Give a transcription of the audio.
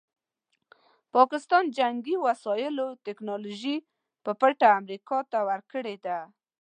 پاکستان جنګي وسایلو ټیکنالوژي په پټه امریکا ته ورکړې ده.